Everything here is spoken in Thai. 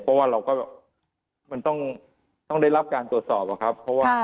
เพราะว่าเราก็มันต้องได้รับการตรวจสอบอะครับเพราะว่า